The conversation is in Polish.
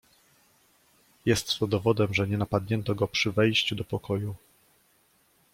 "Jest to dowodem, że nie napadnięto go przy wejściu do pokoju."